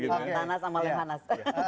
pak perancu pak tanas sama lek hanas